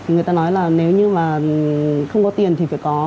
người ta nói là nếu như mà không có tiền thì phải có